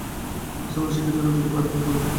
তিনি মুসলমানদের শিক্ষার জন্য দুটি বাড়ি দান করেছিলেন।